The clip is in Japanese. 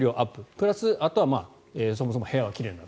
プラス、あとはそもそも部屋が奇麗になる。